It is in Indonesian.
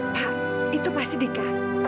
pak itu pasti dika